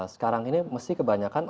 sekarang ini mesti kebanyakan